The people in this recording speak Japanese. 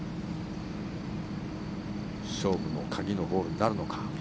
勝負の鍵のホールになるのか。